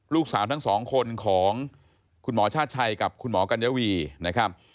ลูกสาวทั้งสองคนของคุณหมอชาติชัยกับคุณหมอกัญญาวีนะครับ